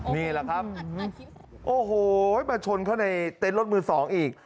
นี่แหละครับโอ้โหมาชนเข้าในเต็นต์รถมือสองอีก